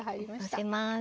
のせます。